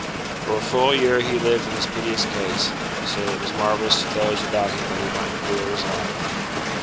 For a full year he lived in this piteous case, so that it was marvellous to those about him that he might endure his life.